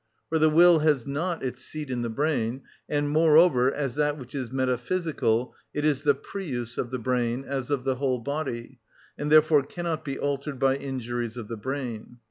For the will has not its seat in the brain, and moreover, as that which is metaphysical, it is the prius of the brain, as of the whole body, and therefore cannot be altered by injuries of the brain.